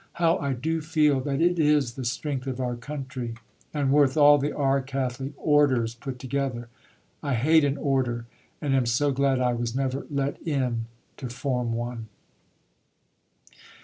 How I do feel that it is the strength of our country and worth all the R. Catholic "Orders" put together. I hate an "Order," and am so glad I was never "let in" to form one....